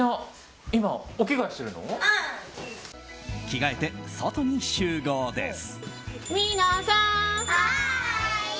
着替えて、外に集合です。